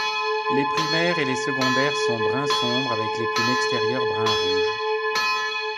Les primaires et les secondaires sont brun sombre avec les plumes extérieures brun-rouge.